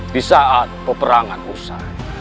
di saat peperangan usai